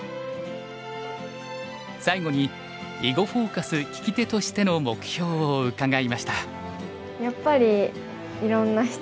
最後に「囲碁フォーカス」聞き手としての目標を伺いました。